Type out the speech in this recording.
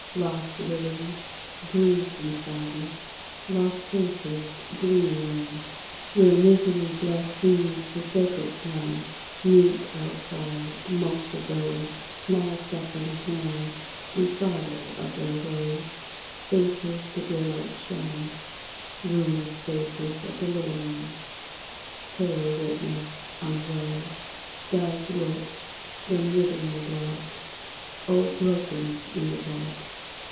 Lost lilies, bruised and sodden; Lost faces, gleaming there, Where misery blasphemes the sacred young! Mute outcry, most, of those Small suffering hands defrauded of their rose; Faces the daylight shuns; Ruinous faces of the little ones, Pale witness, unaware. Starved lips, and withering blood O broken in the bud!